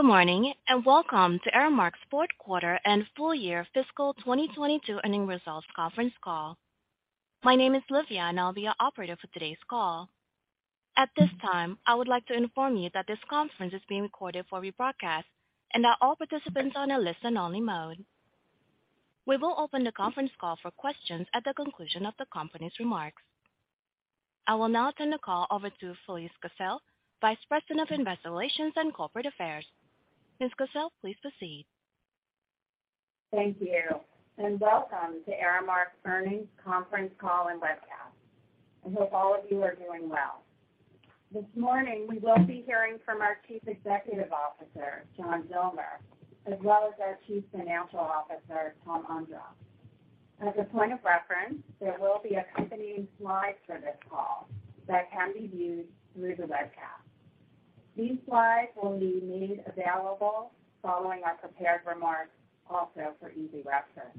Good morning, and welcome to Aramark's fourth quarter and full year fiscal 2022 earnings results conference call. My name is Olivia, and I'll be your operator for today's call. At this time, I would like to inform you that this conference is being recorded for rebroadcast and that all participants are in a listen-only mode. We will open the conference call for questions at the conclusion of the company's remarks. I will now turn the call over to Felise Kissell, Vice President of Investor Relations and Corporate Affairs. Ms. Kissell, please proceed. Thank you, and welcome to Aramark's earnings conference call and webcast. I hope all of you are doing well. This morning, we will be hearing from our Chief Executive Officer, John Zillmer, as well as our Chief Financial Officer, Tom Ondrof. As a point of reference, there will be accompanying slides for this call that can be viewed through the webcast. These slides will be made available following our prepared remarks also for easy reference.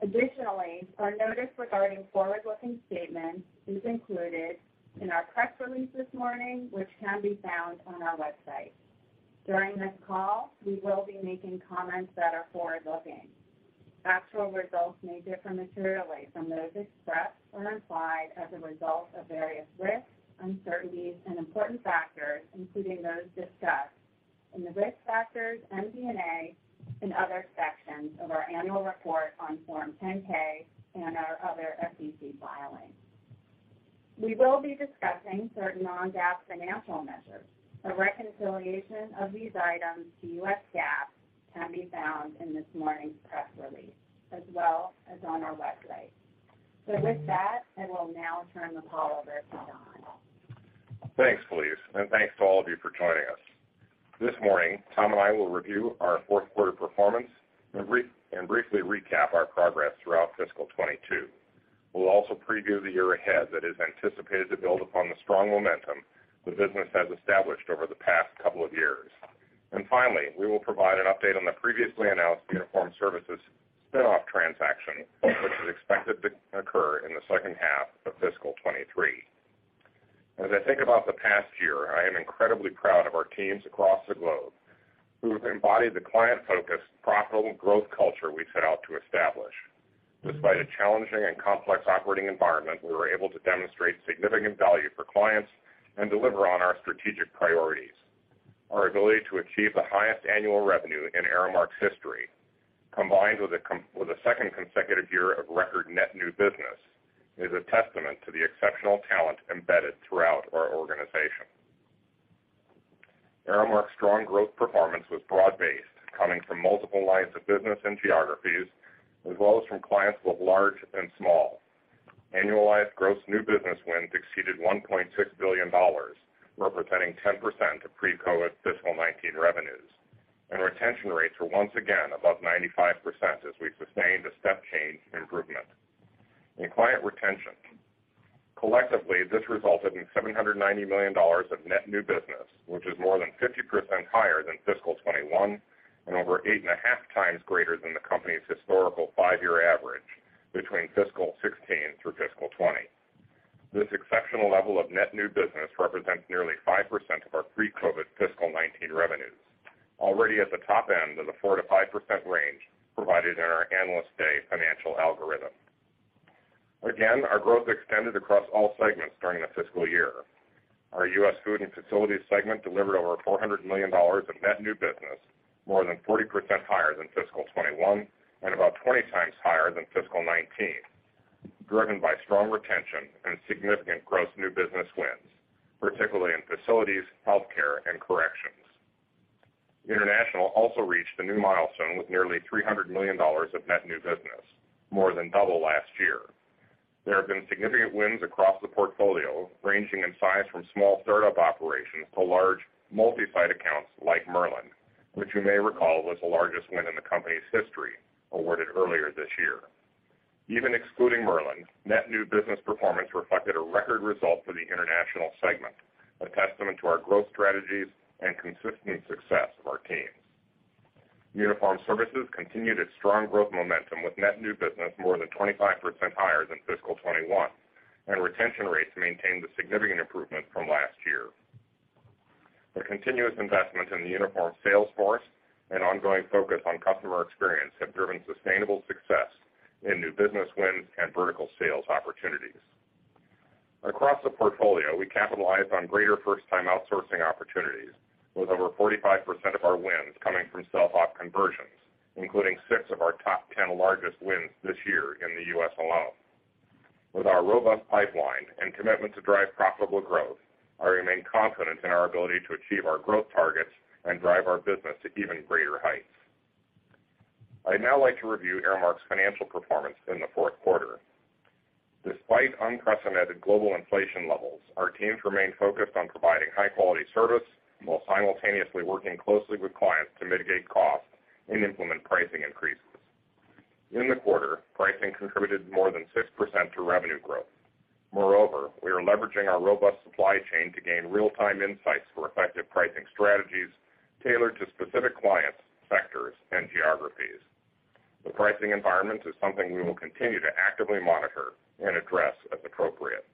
Additionally, our notice regarding forward-looking statements is included in our press release this morning, which can be found on our website. During this call, we will be making comments that are forward-looking. Actual results may differ materially from those expressed or implied as a result of various risks, uncertainties, and important factors, including those discussed in the Risk Factors, MD&A, and other sections of our annual report on Form 10-K and our other SEC filings. We will be discussing certain non-GAAP financial measures. A reconciliation of these items to U.S. GAAP can be found in this morning's press release as well as on our website. With that, I will now turn the call over to John. Thanks, Felise, and thanks to all of you for joining us. This morning, Tom and I will review our fourth quarter performance and briefly recap our progress throughout fiscal 2022. We'll also preview the year ahead that is anticipated to build upon the strong momentum the business has established over the past couple of years. Finally, we will provide an update on the previously announced Uniform Services spin-off transaction, which is expected to occur in the second half of fiscal 2023. As I think about the past year, I am incredibly proud of our teams across the globe who have embodied the client-focused, profitable growth culture we set out to establish. Despite a challenging and complex operating environment, we were able to demonstrate significant value for clients and deliver on our strategic priorities. Our ability to achieve the highest annual revenue in Aramark's history, combined with a second consecutive year of record net new business, is a testament to the exceptional talent embedded throughout our organization. Aramark's strong growth performance was broad-based, coming from multiple lines of business and geographies, as well as from clients both large and small. Annualized gross new business wins exceeded $1.6 billion, representing 10% of pre-COVID fiscal 2019 revenues, and retention rates were once again above 95% as we sustained a step change in improvement. In client retention, collectively, this resulted in $790 million of net new business, which is more than 50% higher than fiscal 2021 and over 8.5x greater than the company's historical five-year average between fiscal 2016 through fiscal 2020. This exceptional level of net new business represents nearly 5% of our pre-COVID fiscal 2019 revenues, already at the top end of the 4%-5% range provided in our Analyst Day financial algorithm. Again, our growth extended across all segments during the fiscal year. Our U.S. Food and Facilities segment delivered over $400 million of net new business, more than 40% higher than fiscal 2021 and about 20x higher than fiscal 2019, driven by strong retention and significant gross new business wins, particularly in facilities, healthcare, and corrections. International also reached a new milestone with nearly $300 million of net new business, more than double last year. There have been significant wins across the portfolio, ranging in size from small startup operations to large multi-site accounts like Merlin, which you may recall was the largest win in the company's history, awarded earlier this year. Even excluding Merlin, net new business performance reflected a record result for the international segment, a testament to our growth strategies and consistent success of our teams. Uniform Services continued its strong growth momentum with net new business more than 25% higher than fiscal 2021, and retention rates maintained a significant improvement from last year. The continuous investment in the uniform sales force and ongoing focus on customer experience have driven sustainable success in new business wins and vertical sales opportunities. Across the portfolio, we capitalized on greater first-time outsourcing opportunities, with over 45% of our wins coming from self-op conversions, including six of our top 10 largest wins this year in the U.S. alone. With our robust pipeline and commitment to drive profitable growth, I remain confident in our ability to achieve our growth targets and drive our business to even greater heights. I'd now like to review Aramark's financial performance in the fourth quarter. Despite unprecedented global inflation levels, our teams remain focused on providing high-quality service while simultaneously working closely with clients to mitigate costs and implement pricing increases. In the quarter, pricing contributed more than 6% to revenue growth. Moreover, we are leveraging our robust supply chain to gain real-time insights for effective pricing strategies tailored to specific clients, sectors, and geographies. The pricing environment is something we will continue to actively monitor and address as appropriate.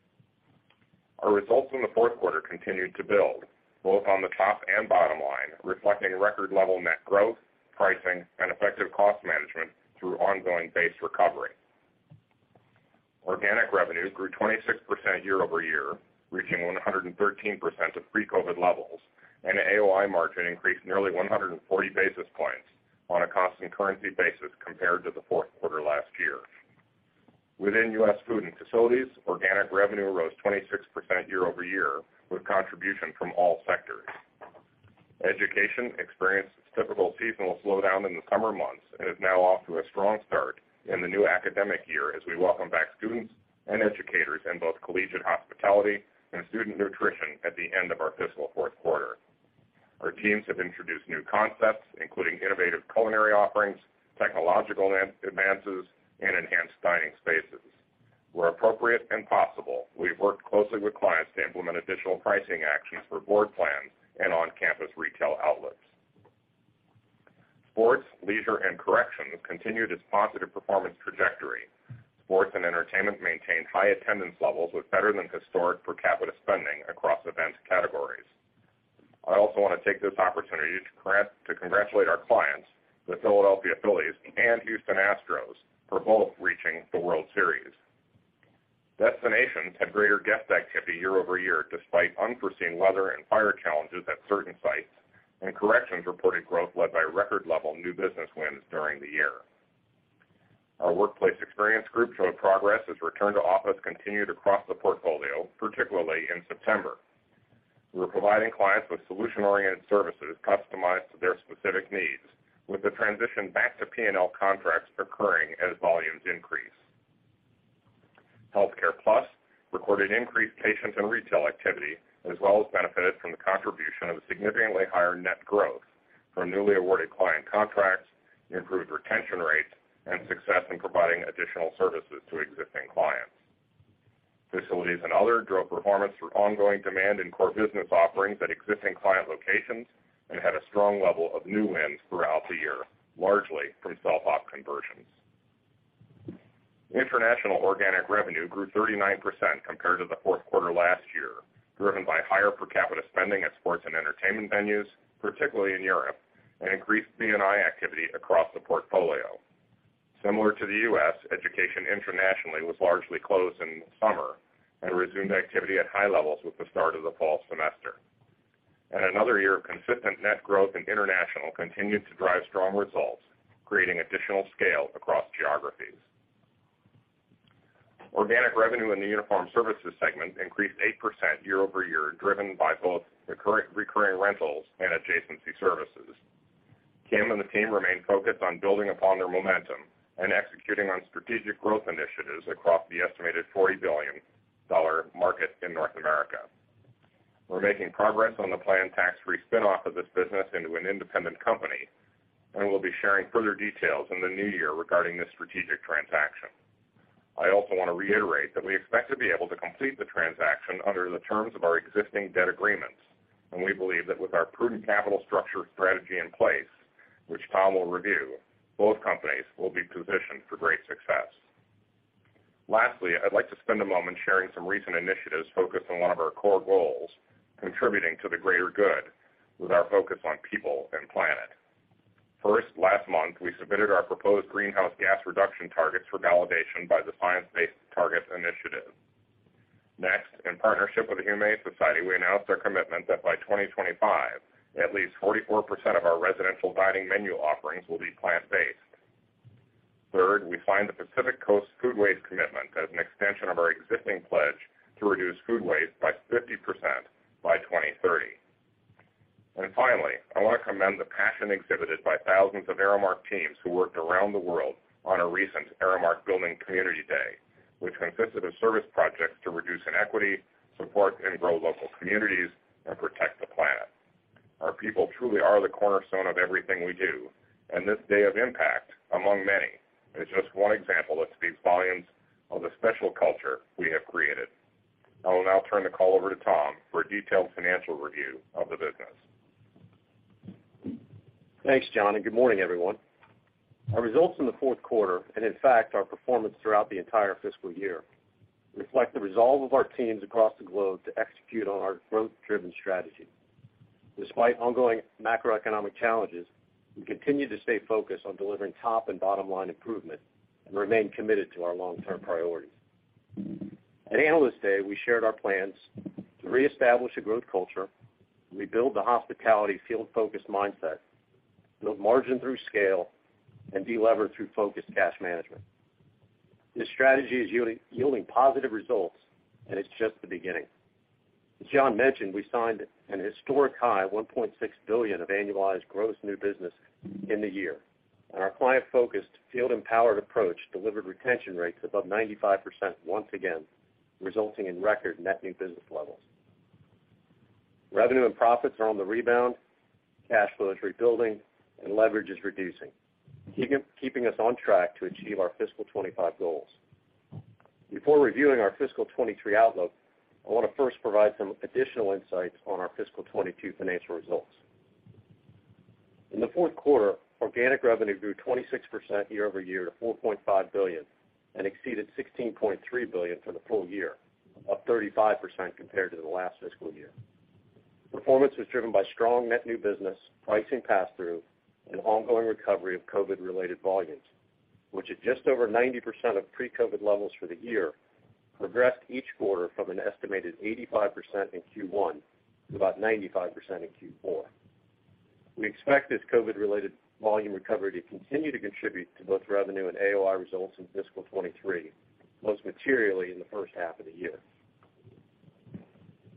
Our results in the fourth quarter continued to build both on the top and bottom line, reflecting record level net growth, pricing, and effective cost management through ongoing base recovery. Organic revenue grew 26% year-over-year, reaching 113% of pre-COVID levels, and the AOI margin increased nearly 140 basis points on a constant currency basis compared to the fourth quarter last year. Within U.S. Food & Facilities, organic revenue rose 26% year-over-year, with contribution from all sectors. Education experienced its typical seasonal slowdown in the summer months and is now off to a strong start in the new academic year as we welcome back students and educators in both collegiate hospitality and student nutrition at the end of our fiscal fourth quarter. Our teams have introduced new concepts, including innovative culinary offerings, technological advances, and enhanced dining spaces. Where appropriate and possible, we've worked closely with clients to implement additional pricing actions for board plans and on-campus retail outlets. Sports, leisure, and corrections continued its positive performance trajectory. Sports and entertainment maintained high attendance levels with better than historic per capita spending across events categories. I also want to take this opportunity to congratulate our clients, the Philadelphia Phillies and Houston Astros, for both reaching the World Series. Destinations had greater guest activity year-over-year, despite unforeseen weather and fire challenges at certain sites, and corrections reported growth led by record level new business wins during the year. Our Workplace Experience Group showed progress as return to office continued across the portfolio, particularly in September. We're providing clients with solution-oriented services customized to their specific needs, with the transition back to P&L contracts occurring as volumes increase. Healthcare+ recorded increased patient and retail activity, as well as benefited from the contribution of a significantly higher net growth from newly awarded client contracts, improved retention rates, and success in providing additional services to existing clients. Facilities and other drove performance through ongoing demand in core business offerings at existing client locations and had a strong level of new wins throughout the year, largely from self-op conversions. International organic revenue grew 39% compared to the fourth quarter last year, driven by higher per capita spending at sports and entertainment venues, particularly in Europe, and increased B&I activity across the portfolio. Similar to the U.S., education internationally was largely closed in summer and resumed activity at high levels with the start of the fall semester. Another year of consistent net growth in international continued to drive strong results, creating additional scale across geographies. Organic revenue in the uniform services segment increased 8% year-over-year, driven by both recurring rentals and adjacency services. Kim and the team remain focused on building upon their momentum and executing on strategic growth initiatives across the estimated $40 billion market in North America. We're making progress on the planned tax-free spin-off of this business into an independent company, and we'll be sharing further details in the new year regarding this strategic transaction. I also want to reiterate that we expect to be able to complete the transaction under the terms of our existing debt agreements, and we believe that with our prudent capital structure strategy in place, which Tom will review, both companies will be positioned for great success. Lastly, I'd like to spend a moment sharing some recent initiatives focused on one of our core goals, contributing to the greater good with our focus on people and planet. First, last month, we submitted our proposed greenhouse gas reduction targets for validation by the Science Based Targets initiative. Next, in partnership with the Humane Society, we announced our commitment that by 2025, at least 44% of our residential dining menu offerings will be plant-based. Third, we find the Pacific Coast Food Waste Commitment as an extension of our existing pledge to reduce food waste by 50% by 2030. Finally, I want to commend the passion exhibited by thousands of Aramark teams who worked around the world on a recent Aramark Building Community Day, which consisted of service projects to reduce inequity, support and grow local communities, and protect the planet. Our people truly are the cornerstone of everything we do, and this day of impact, among many, is just one example that speaks volumes of the special culture we have created. I will now turn the call over to Tom for a detailed financial review of the business. Thanks, John, and good morning, everyone. Our results in the fourth quarter, and in fact, our performance throughout the entire fiscal year, reflect the resolve of our teams across the globe to execute on our growth-driven strategy. Despite ongoing macroeconomic challenges, we continue to stay focused on delivering top and bottom-line improvement and remain committed to our long-term priorities. At Analyst Day, we shared our plans to reestablish a growth culture, rebuild the hospitality field-focused mindset, build margin through scale, and delever through focused cash management. This strategy is yielding positive results, and it's just the beginning. As John mentioned, we signed an historic high $1.6 billion of annualized gross new business in the year, and our client-focused, field-empowered approach delivered retention rates above 95% once again, resulting in record net new business levels. Revenue and profits are on the rebound, cash flow is rebuilding, and leverage is reducing, keeping us on track to achieve our fiscal 2025 goals. Before reviewing our fiscal 2023 outlook, I want to first provide some additional insights on our fiscal 2022 financial results. In the fourth quarter, organic revenue grew 26% year-over-year to $4.5 billion and exceeded $16.3 billion for the full year, up 35% compared to the last fiscal year. Performance was driven by strong net new business, pricing pass-through, and ongoing recovery of COVID-related volumes, which at just over 90% of pre-COVID levels for the year progressed each quarter from an estimated 85% in Q1 to about 95% in Q4. We expect this COVID-related volume recovery to continue to contribute to both revenue and AOI results in fiscal 2023, most materially in the first half of the year.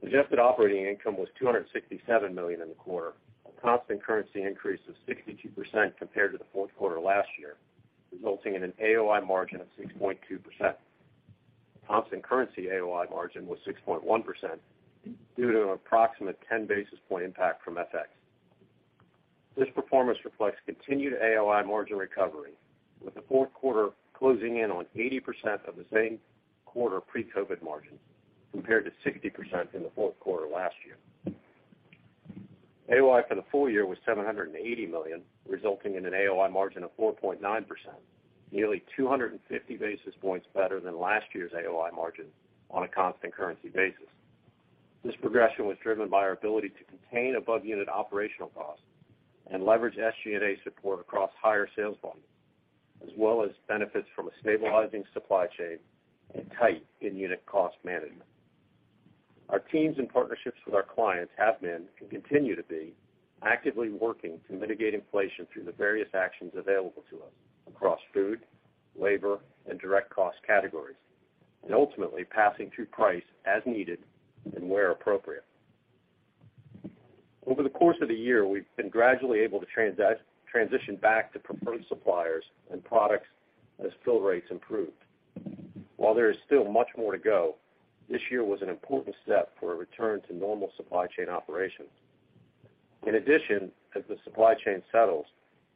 Adjusted operating income was $267 million in the quarter, a constant currency increase of 62% compared to the fourth quarter last year, resulting in an AOI margin of 6.2%. Constant currency AOI margin was 6.1% due to an approximate 10 basis point impact from FX. This performance reflects continued AOI margin recovery, with the fourth quarter closing in on 80% of the same quarter pre-COVID margins, compared to 60% in the fourth quarter last year. AOI for the full year was $780 million, resulting in an AOI margin of 4.9%, nearly 250 basis points better than last year's AOI margin on a constant currency basis. This progression was driven by our ability to contain above-unit operational costs and leverage SG&A support across higher sales volumes, as well as benefits from a stabilizing supply chain and tight in-unit cost management. Our teams and partnerships with our clients have been, and continue to be, actively working to mitigate inflation through the various actions available to us across food, labor, and direct cost categories, and ultimately passing through price as needed and where appropriate. Over the course of the year, we've been gradually able to transition back to preferred suppliers and products as fill rates improved. While there is still much more to go, this year was an important step for a return to normal supply chain operations. In addition, as the supply chain settles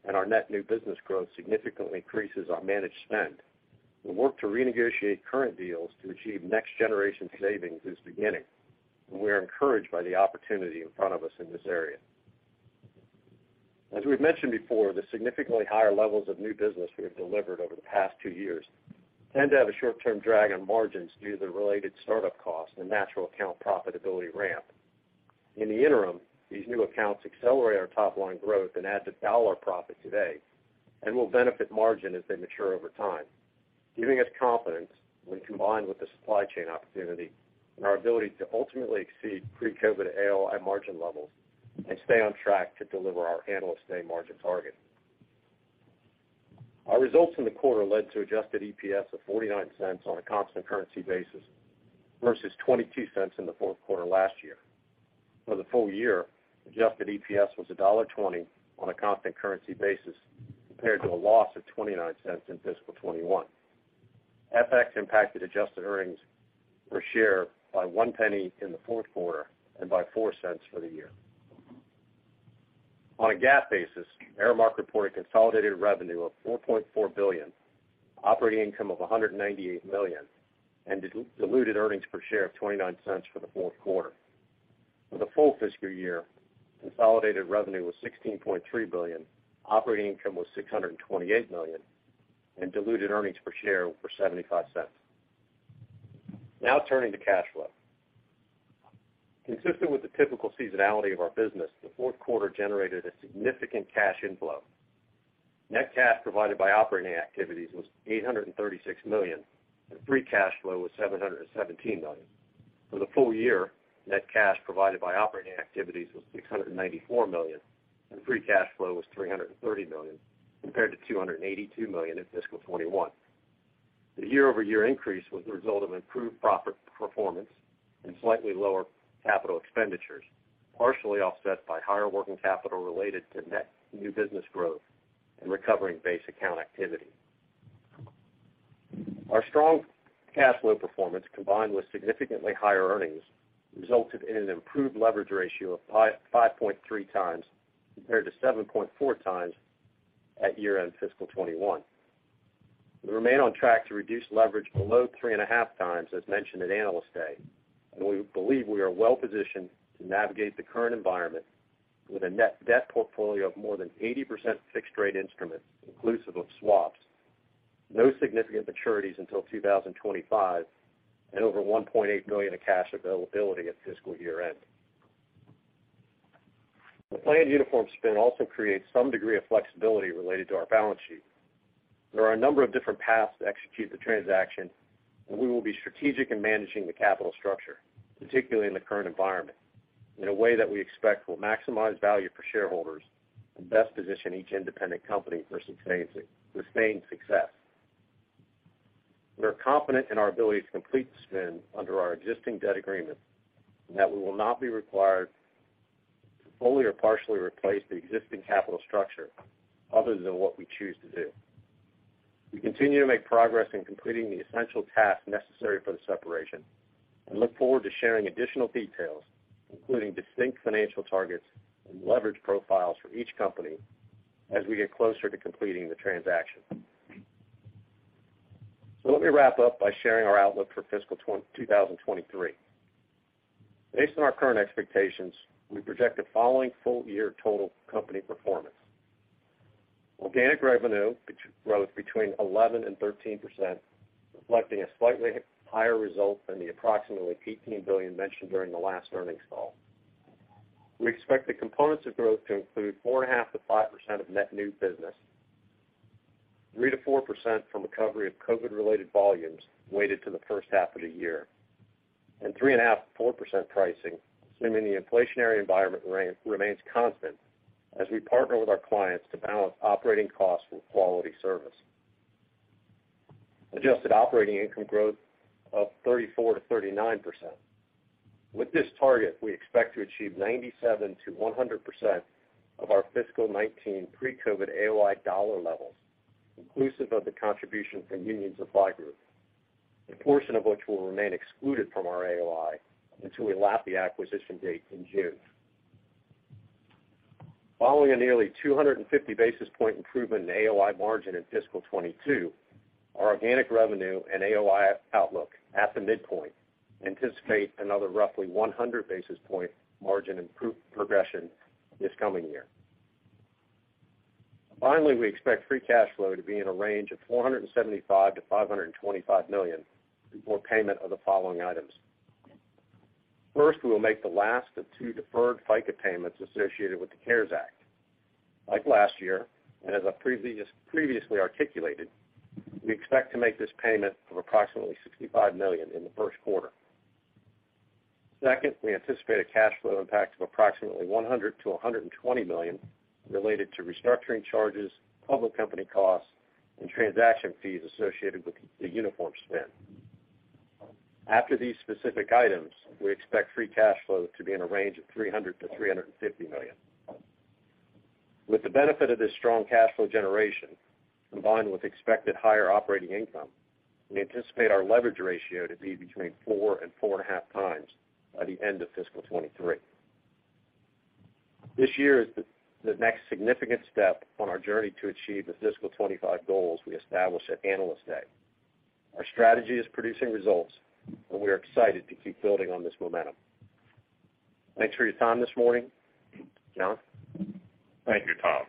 and our net new business growth significantly increases our managed spend, the work to renegotiate current deals to achieve next-generation savings is beginning, and we are encouraged by the opportunity in front of us in this area. As we've mentioned before, the significantly higher levels of new business we have delivered over the past two years tend to have a short-term drag on margins due to the related startup costs and natural account profitability ramp. In the interim, these new accounts accelerate our top-line growth and add to dollar profit today and will benefit margin as they mature over time, giving us confidence when combined with the supply chain opportunity and our ability to ultimately exceed pre-COVID AOI margin levels and stay on track to deliver our Analyst Day margin target. Our results in the quarter led to adjusted EPS of $0.49 on a constant currency basis versus $0.22 in the fourth quarter last year. For the full year, adjusted EPS was $1.20 on a constant currency basis compared to a loss of $0.29 in fiscal 2021. FX impacted adjusted earnings per share by $0.01 in the fourth quarter and by $0.04 for the year. On a GAAP basis, Aramark reported consolidated revenue of $4.4 billion, operating income of $198 million, and diluted earnings per share of $0.29 for the fourth quarter. For the full fiscal year, consolidated revenue was $16.3 billion, operating income was $628 million, and diluted earnings per share were $0.75. Now turning to cash flow. Consistent with the typical seasonality of our business, the fourth quarter generated a significant cash inflow. Net cash provided by operating activities was $836 million, and free cash flow was $717 million. For the full year, net cash provided by operating activities was $694 million, and free cash flow was $330 million, compared to $282 million in fiscal 2021. The year-over-year increase was the result of improved profit performance and slightly lower capital expenditures, partially offset by higher working capital related to net new business growth and recovering base account activity. Our strong cash flow performance, combined with significantly higher earnings, resulted in an improved leverage ratio of 5.3x compared to 7.4x at year-end fiscal 2021. We remain on track to reduce leverage below 3.5x, as mentioned at Analyst Day, and we believe we are well positioned to navigate the current environment with a net debt portfolio of more than 80% fixed rate instruments, inclusive of swaps, no significant maturities until 2025, and over $1.8 million of cash availability at fiscal year-end. The planned Uniform spin also creates some degree of flexibility related to our balance sheet. There are a number of different paths to execute the transaction, and we will be strategic in managing the capital structure, particularly in the current environment, in a way that we expect will maximize value for shareholders and best position each independent company for sustained success. We are confident in our ability to complete the spin under our existing debt agreement and that we will not be required to fully or partially replace the existing capital structure other than what we choose to do. We continue to make progress in completing the essential tasks necessary for the separation and look forward to sharing additional details, including distinct financial targets and leverage profiles for each company as we get closer to completing the transaction. Let me wrap up by sharing our outlook for fiscal 2023. Based on our current expectations, we project the following full year total company performance. Organic revenue grows between 11%-13%, reflecting a slightly higher result than the approximately $18 billion mentioned during the last earnings call. We expect the components of growth to include 4.5%-5% of net new business, 3%-4% from recovery of COVID-related volumes weighted to the first half of the year, and 3.5%-4% pricing, assuming the inflationary environment remains constant as we partner with our clients to balance operating costs with quality service. Adjusted operating income growth of 34%-39%. With this target, we expect to achieve 97%-100% of our fiscal 2019 pre-COVID AOI dollar levels, inclusive of the contribution from Union Supply Group, a portion of which will remain excluded from our AOI until we lap the acquisition date in June. Following a nearly 250 basis point improvement in AOI margin in fiscal 2022, our organic revenue and AOI outlook at the midpoint anticipate another roughly 100 basis point margin progression this coming year. Finally, we expect free cash flow to be in a range of $475 million-$525 million before payment of the following items. First, we will make the last of two deferred FICA payments associated with the CARES Act. Like last year, and as I previously articulated, we expect to make this payment of approximately $65 million in the first quarter. Second, we anticipate a cash flow impact of approximately $100 million-$120 million related to restructuring charges, public company costs, and transaction fees associated with the Uniform Services spin. After these specific items, we expect free cash flow to be in a range of $300 million-$350 million. With the benefit of this strong cash flow generation, combined with expected higher operating income, we anticipate our leverage ratio to be between 4x-4.5x by the end of fiscal 2023. This year is the next significant step on our journey to achieve the fiscal 2025 goals we established at Analyst Day. Our strategy is producing results, and we are excited to keep building on this momentum. Thanks for your time this morning. John? Thank you, Tom.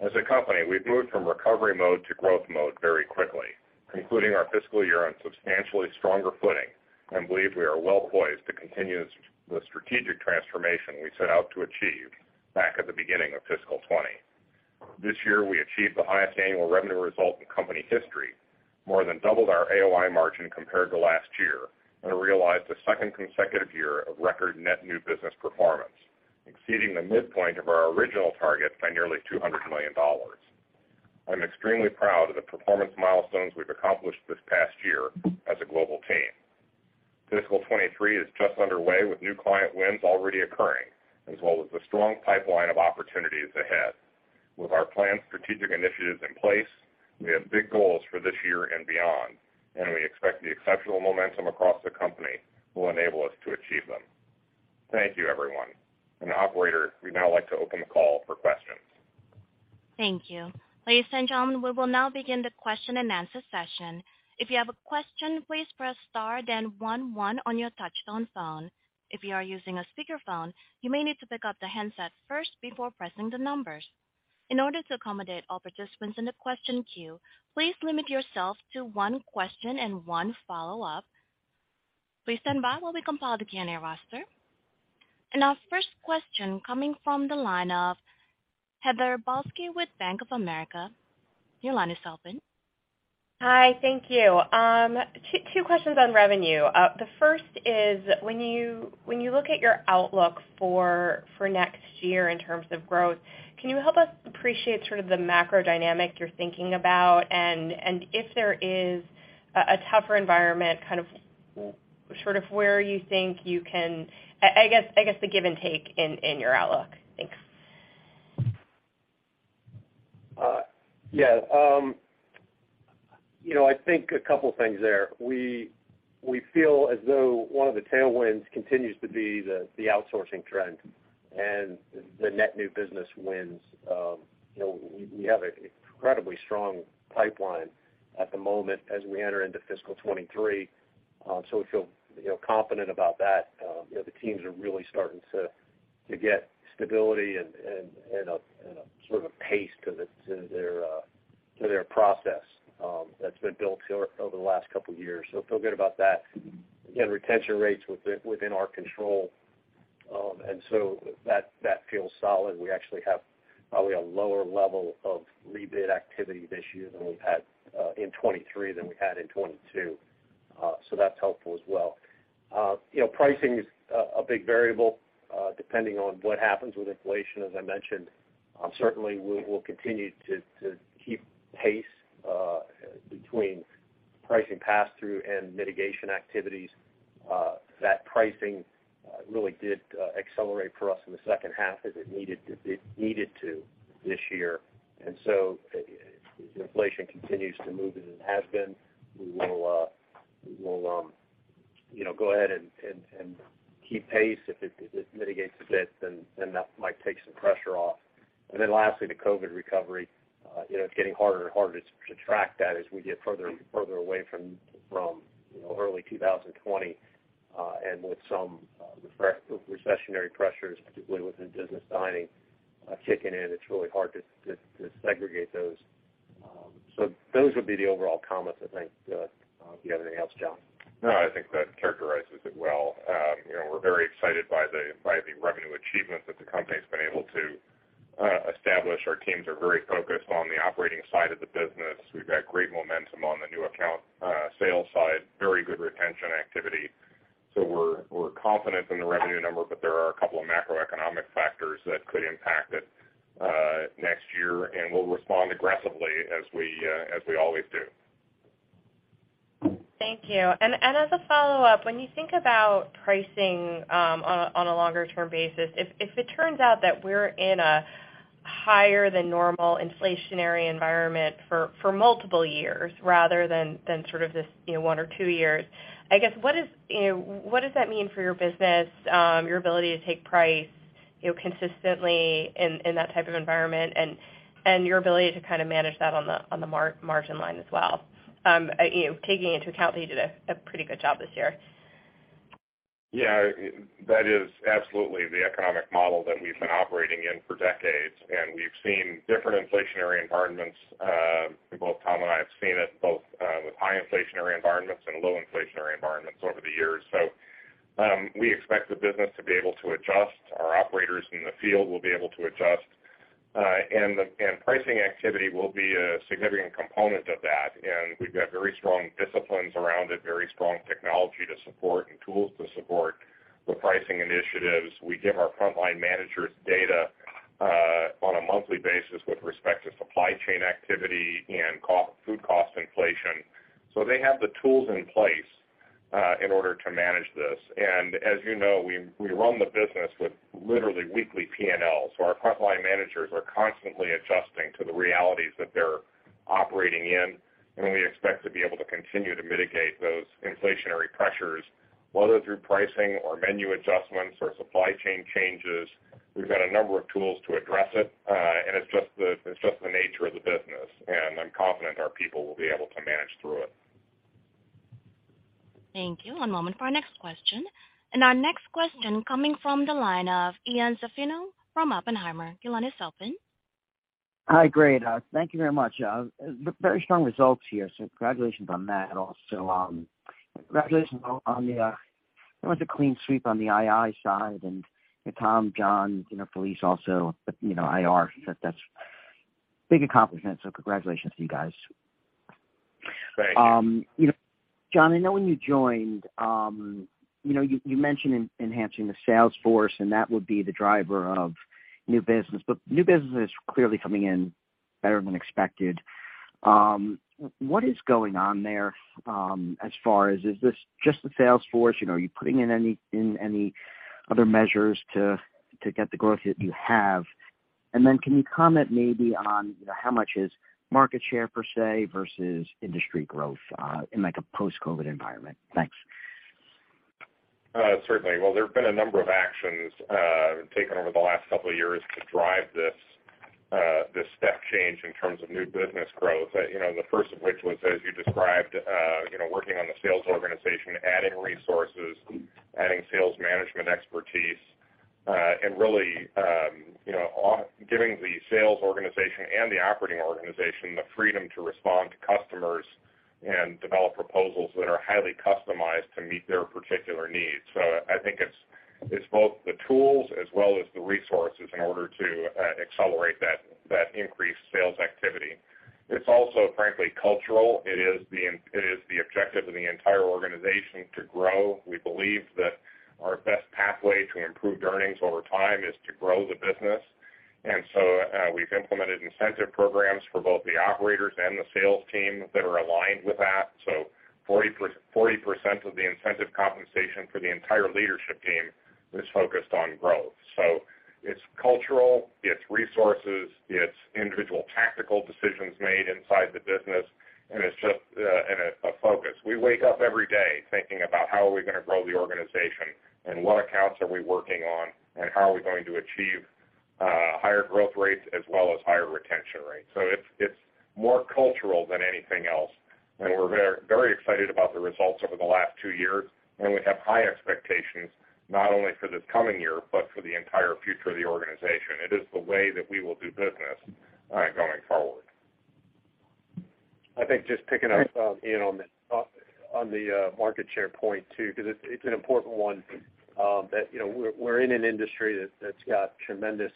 As a company, we've moved from recovery mode to growth mode very quickly, concluding our fiscal year on substantially stronger footing, and believe we are well-poised to continue the strategic transformation we set out to achieve back at the beginning of fiscal 2020. This year, we achieved the highest annual revenue result in company history, more than doubled our AOI margin compared to last year, and realized a second consecutive year of record net new business performance, exceeding the midpoint of our original target by nearly $200 million. I'm extremely proud of the performance milestones we've accomplished this past year as a global team. Fiscal 2023 is just underway with new client wins already occurring, as well as a strong pipeline of opportunities ahead. With our planned strategic initiatives in place, we have big goals for this year and beyond, and we expect the exceptional momentum across the company will enable us to achieve them. Thank you, everyone. Operator, we'd now like to open the call for questions. Thank you. Ladies and gentlemen, we will now begin the question-and-answer session. If you have a question, please press star then one on your touchtone phone. If you are using a speakerphone, you may need to pick up the handset first before pressing the numbers. In order to accommodate all participants in the question queue, please limit yourself to one question and one follow-up. Please stand by while we compile the Q&A roster. Our first question coming from the line of Heather Balsky with Bank of America. Your line is open. Hi, thank you. Two questions on revenue. The first is when you look at your outlook for next year in terms of growth, can you help us appreciate sort of the macro dynamic you're thinking about? If there is a tougher environment, kind of sort of where you think you can. I guess the give-and-take in your outlook. Thanks. Yeah. You know, I think a couple things there. We feel as though one of the tailwinds continues to be the outsourcing trend and the net new business wins. You know, we have an incredibly strong pipeline at the moment as we enter into fiscal 2023, so we feel confident about that. You know, the teams are really starting to get stability and a sort of pace to their process, that's been built over the last couple years. Feel good about that. Again, retention rates within our control, and that feels solid. We actually have probably a lower level of rebid activity this year than we've had in 2023 than we had in 2022. That's helpful as well. You know, pricing is a big variable depending on what happens with inflation, as I mentioned. Certainly, we'll continue to keep pace between pricing pass-through and mitigation activities. That pricing really did accelerate for us in the second half as it needed to this year. If inflation continues to move as it has been, we will, you know, go ahead and keep pace. If it mitigates a bit, then that might take some pressure off. Lastly, the COVID recovery, you know, it's getting harder and harder to track that as we get further and further away from, you know, early 2020. With some recessionary pressures, particularly within business dining, kicking in, it's really hard to segregate those. Those would be the overall comments, I think, if you have anything else, John. No, I think that characterizes it well. You know, we're very excited by the revenue achievements that the company's been able to establish. Our teams are very focused on the operating side of the business. We've got great momentum on the new account sales side, very good retention activity. We're confident in the revenue number, but there are a couple of macroeconomic factors that could impact it next year, and we'll respond aggressively as we always do. Thank you. As a follow-up, when you think about pricing on a longer term basis, if it turns out that we're in a higher than normal inflationary environment for multiple years rather than sort of this, you know, one or two years, I guess, what does that mean for your business, your ability to take price, you know, consistently in that type of environment and your ability to kind of manage that on the margin line as well, you know, taking into account that you did a pretty good job this year? Yeah, that is absolutely the economic model that we've been operating in for decades, and we've seen different inflationary environments. Both Tom and I have seen it both with high inflationary environments and low inflationary environments over the years. We expect the business to be able to adjust. Our operators in the field will be able to adjust. Pricing activity will be a significant component of that. We've got very strong disciplines around it, very strong technology to support and tools to support the pricing initiatives. We give our frontline managers data on a monthly basis with respect to supply chain activity and food cost inflation. They have the tools in place in order to manage this. As you know, we run the business with literally weekly P&Ls. Our frontline managers are constantly adjusting to the realities that they're operating in. We expect to be able to continue to mitigate those inflationary pressures, whether through pricing or menu adjustments or supply chain changes. We've got a number of tools to address it. It's just the nature of the business, and I'm confident our people will be able to manage through it. Thank you. One moment for our next question. Our next question coming from the line of Ian Zaffino from Oppenheimer. Your line is open. Hi. Great. Thank you very much. Very strong results here, so congratulations on that. Also, congratulations. It was a clean sweep on the IR side. Tom, John, you know, Felise also, you know, IR, that's big accomplishment, so congratulations to you guys. Thank you. You know, John, I know when you joined, you know, you mentioned enhancing the sales force, and that would be the driver of new business. New business is clearly coming in better than expected. What is going on there, as far as is this just the sales force? You know, are you putting in any other measures to get the growth that you have? Can you comment maybe on, you know, how much is market share per se versus industry growth, in like a post-COVID environment? Thanks. Certainly. Well, there have been a number of actions taken over the last couple of years to drive this step change in terms of new business growth. You know, the first of which was, as you described, you know, working on the sales organization, adding resources, adding sales management expertise, and really, you know, giving the sales organization and the operating organization the freedom to respond to customers and develop proposals that are highly customized to meet their particular needs. I think it's both the tools as well as the resources in order to accelerate that increased sales activity. It's also, frankly, cultural. It is the objective of the entire organization to grow. We believe that our best pathway to improved earnings over time is to grow the business. We've implemented incentive programs for both the operators and the sales team that are aligned with that. 40% of the incentive compensation for the entire leadership team is focused on growth. It's cultural, it's resources, it's individual tactical decisions made inside the business, and a focus. We wake up every day thinking about how are we gonna grow the organization, and what accounts are we working on, and how are we going to achieve higher growth rates as well as higher retention rates. It's more cultural than anything else. We're very, very excited about the results over the last two years, and we have high expectations, not only for this coming year, but for the entire future of the organization. It is the way that we will do business going forward. I think just picking up, Ian, on the market share point too, because it's an important one, that you know, we're in an industry that's got tremendous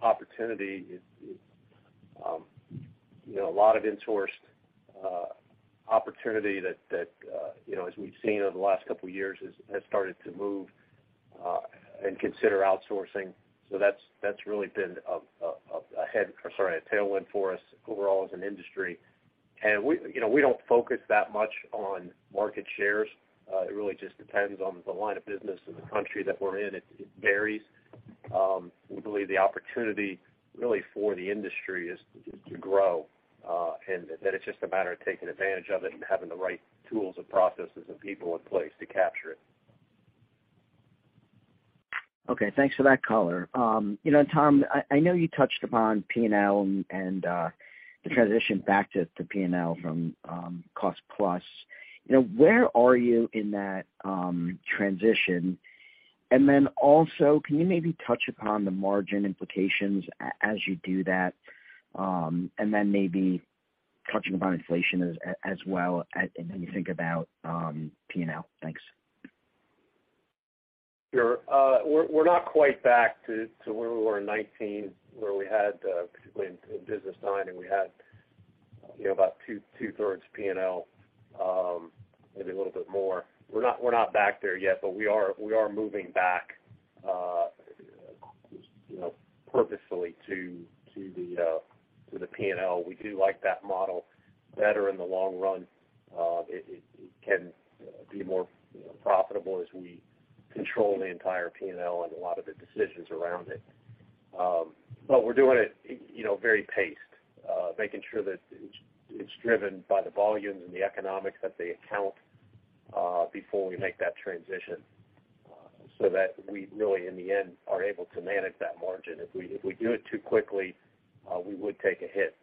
opportunity. You know, a lot of insourced opportunity that you know, as we've seen over the last couple of years has started to move and consider outsourcing. That's really been a tailwind for us overall as an industry. We you know, we don't focus that much on market shares. It really just depends on the line of business and the country that we're in. It varies. We believe the opportunity really for the industry is to grow, and that it's just a matter of taking advantage of it and having the right tools and processes and people in place to capture it. Okay, thanks for that color. You know, Tom, I know you touched upon P&L and the transition back to P&L from cost plus. You know, where are you in that transition? And then also, can you maybe touch upon the margin implications as you do that, and then maybe touching upon inflation as well as you think about P&L? Thanks. Sure. We're not quite back to where we were in 2019, where we had, particularly in business dining, we had, you know, about 2/3 P&L, maybe a little bit more. We're not back there yet, but we are moving back, you know, purposefully to the P&L. We do like that model better in the long run. It can be more, you know, profitable as we control the entire P&L and a lot of the decisions around it. But we're doing it, you know, very paced, making sure that it's driven by the volumes and the economics that they account before we make that transition, so that we really in the end are able to manage that margin. If we do it too quickly, we would take a hit.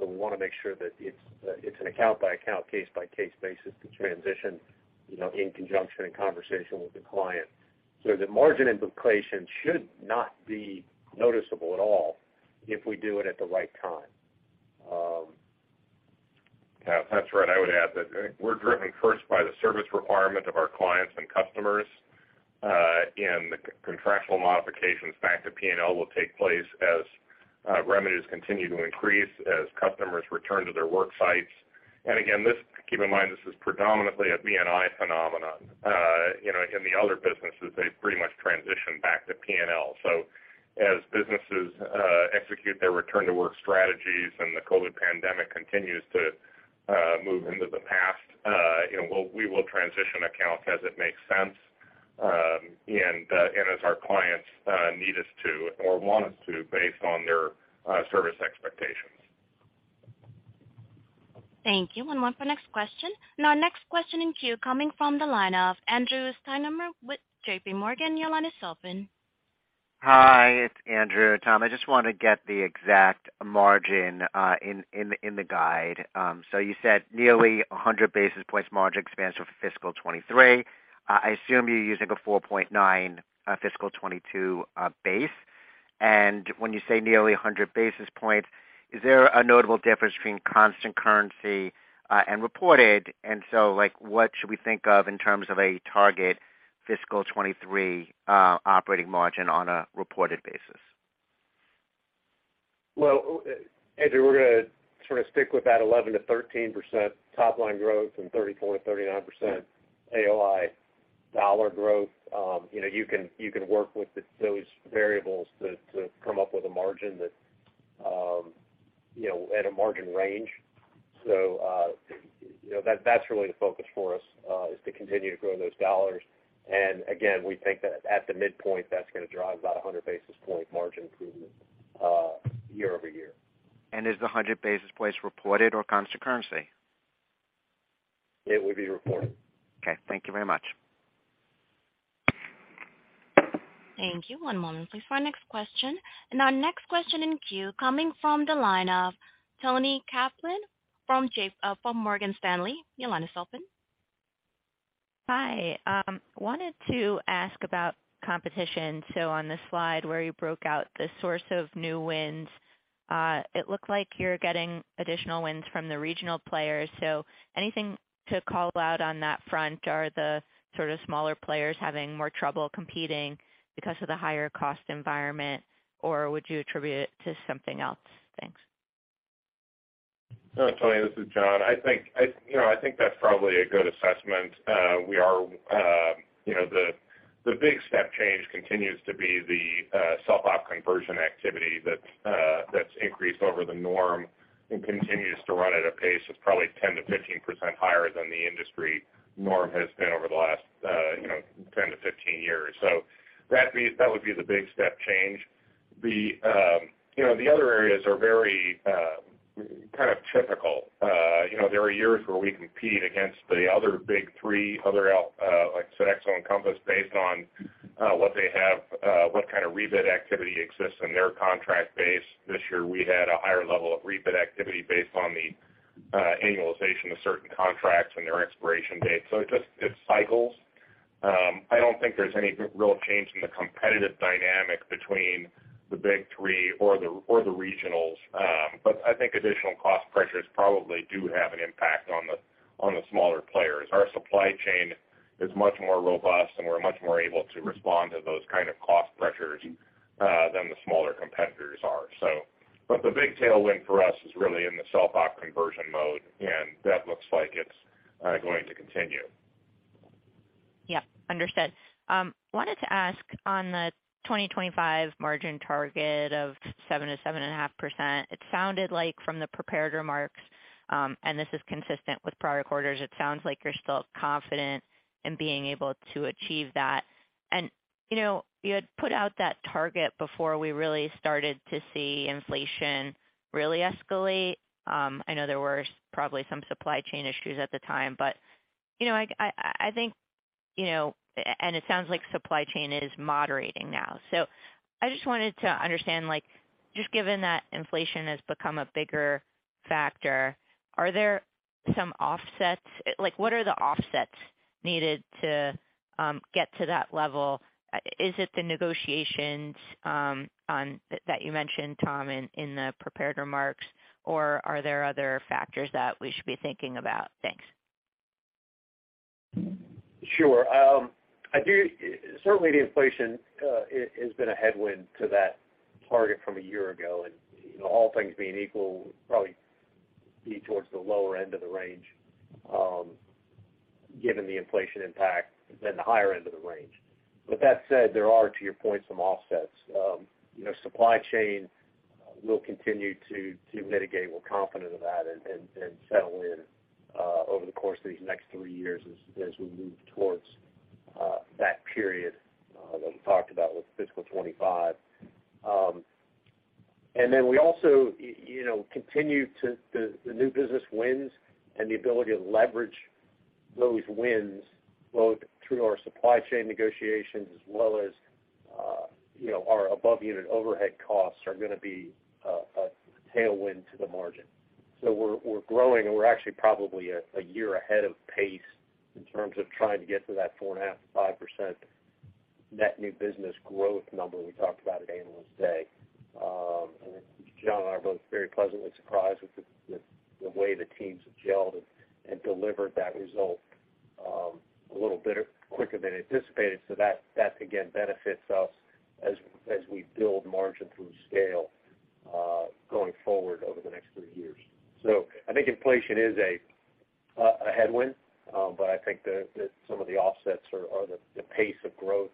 We wanna make sure that it's an account by account, case by case basis to transition, you know, in conjunction and conversation with the client. The margin implication should not be noticeable at all if we do it at the right time. Yeah, that's right. I would add that we're driven first by the service requirement of our clients and customers, and the contractual modifications back to P&L will take place as revenues continue to increase as customers return to their work sites. Again, keep in mind, this is predominantly a B&I phenomenon. You know, in the other businesses, they've pretty much transitioned back to P&L. As businesses execute their return to work strategies and the COVID pandemic continues to move into the past, you know, we will transition accounts as it makes sense, and as our clients need us to or want us to based on their service expectations. Thank you. One for next question. Our next question in queue coming from the line of Andrew Steinerman with JPMorgan. Your line is open. Hi, it's Andrew. Tom, I just wanna get the exact margin in the guide. So you said nearly 100 basis points margin expansion for fiscal 2023. I assume you're using a 4.9 fiscal 2022 base. When you say nearly 100 basis points, is there a notable difference between constant currency and reported? Like, what should we think of in terms of a target fiscal 2023 operating margin on a reported basis? Well, Andrew, we're gonna sort of stick with that 11%-13% top line growth and 34%-39% AOI dollar growth. You know, you can work with those variables to come up with a margin that, you know, and a margin range. You know, that's really the focus for us is to continue to grow those dollars. Again, we think that at the midpoint, that's gonna drive about 100 basis point margin improvement year-over-year. Is the 100 basis points reported or constant currency? It would be reported. Okay, thank you very much. Thank you. One moment, please, for our next question. Our next question in queue coming from the line of Toni Kaplan from Morgan Stanley. Your line is open. Hi. Wanted to ask about competition. On the slide where you broke out the source of new wins, it looked like you're getting additional wins from the regional players. Anything to call out on that front? Are the sort of smaller players having more trouble competing because of the higher cost environment, or would you attribute it to something else? Thanks. No, Toni, this is John. I think you know that's probably a good assessment. We are you know the big step change continues to be the self-op conversion activity that's increased over the norm and continues to run at a pace that's probably 10%-15% higher than the industry norm has been over the last you know 10-15 years. That would be the big step change. You know the other areas are very kind of typical. You know there are years where we compete against the other big three others like Sodexo and Compass based on what they have what kind of rebid activity exists in their contract base. This year, we had a higher level of rebid activity based on the annualization of certain contracts and their expiration date. It just cycles. I don't think there's any real change in the competitive dynamic between the big three or the regionals. I think additional cost pressures probably do have an impact on the smaller players. Our supply chain is much more robust, and we're much more able to respond to those kind of cost pressures than the smaller competitors are. The big tailwind for us is really in the self-op conversion mode, and that looks like it's going to continue. Yeah. Understood. Wanted to ask on the 2025 margin target of 7%-7.5%, it sounded like from the prepared remarks. This is consistent with prior quarters. It sounds like you're still confident in being able to achieve that. You know, you had put out that target before we really started to see inflation really escalate. I know there were probably some supply chain issues at the time, but you know, I think you know. It sounds like supply chain is moderating now. I just wanted to understand, like, just given that inflation has become a bigger factor, are there some offsets? Like, what are the offsets needed to get to that level? Is it the negotiations that you mentioned, Tom, in the prepared remarks, or are there other factors that we should be thinking about? Thanks. Sure. Certainly the inflation has been a headwind to that target from a year ago. you know, all things being equal, probably be towards the lower end of the range, given the inflation impact than the higher end of the range. With that said, there are, to your point, some offsets. you know, supply chain, we'll continue to mitigate. We're confident of that and settle in over the course of these next three years as we move towards that period that we talked about with fiscal 2025. then we also you know continue to the new business wins and the ability to leverage those wins, both through our supply chain negotiations as well as, you know, our above unit overhead costs are gonna be a tailwind to the margin. We're growing, and we're actually probably a year ahead of pace in terms of trying to get to that 4.5%-5% net new business growth number we talked about at Analyst Day. John and I are both very pleasantly surprised with the way the teams have gelled and delivered that result a little bit quicker than anticipated. That again benefits us as we build margin through scale going forward over the next three years. I think inflation is a headwind, but I think some of the offsets are the pace of growth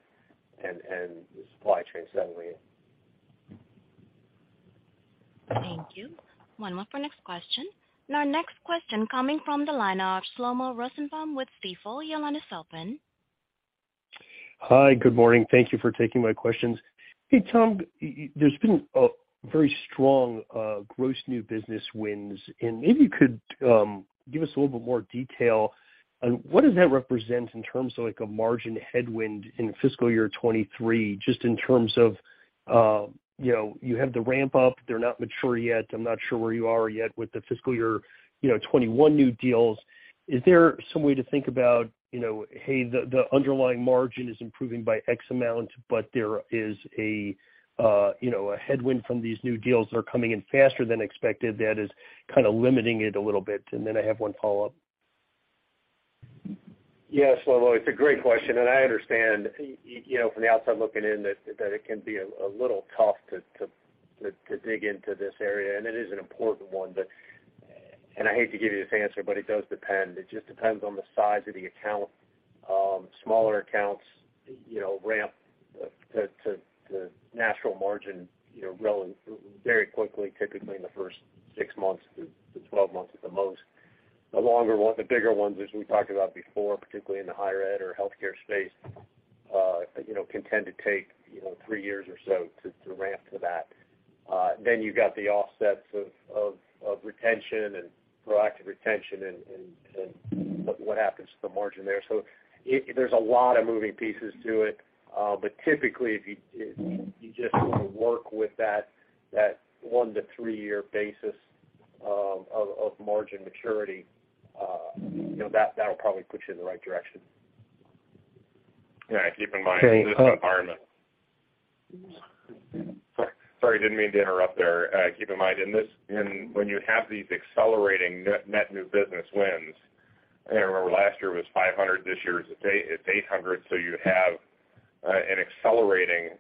and the supply chain settling in. Thank you. One moment for next question. Our next question coming from the line of Shlomo Rosenbaum with Stifel. Your line is open. Hi. Good morning. Thank you for taking my questions. Hey, Tom. There's been a very strong gross new business wins, and maybe you could give us a little bit more detail on what does that represent in terms of like a margin headwind in fiscal year 2023, just in terms of you know, you have the ramp up, they're not mature yet. I'm not sure where you are yet with the fiscal year 2021 new deals. Is there some way to think about you know, hey, the underlying margin is improving by X amount, but there is a you know, a headwind from these new deals that are coming in faster than expected that is kinda limiting it a little bit? Then I have one follow-up. Yeah, Shlomo, it's a great question, and I understand, you know, from the outside looking in that it can be a little tough to dig into this area, and it is an important one. I hate to give you this answer, but it does depend. It just depends on the size of the account. Smaller accounts, you know, ramp to natural margin, you know, really very quickly, typically in the first six months to 12 months at the most. The longer one, the bigger ones, as we talked about before, particularly in the higher ed or healthcare space, you know, can tend to take, you know, three years or so to ramp to that. You've got the offsets of retention and proactive retention and what happens to the margin there. There's a lot of moving parts to it. Typically, if you just sort of work with that one to three-year basis of margin maturity, you know, that'll probably push you in the right direction. Yeah. Keep in mind. So, uh- Sorry, didn't mean to interrupt there. Keep in mind in this environment when you have these accelerating net new business wins, and remember last year was 500, this year it's 800, so you have an accelerating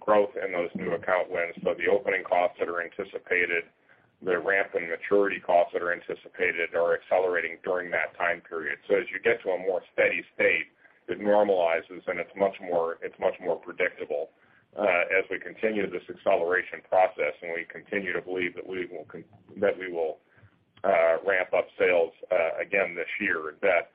growth in those new account wins. The opening costs that are anticipated, the ramp and maturity costs that are anticipated are accelerating during that time period. As you get to a more steady state, it normalizes, and it's much more predictable as we continue this acceleration process, and we continue to believe that we will ramp up sales again this year at that.